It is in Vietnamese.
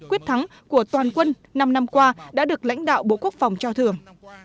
quyết thắng của toàn quân năm năm qua đã được lãnh đạo bộ quốc phòng trao thưởng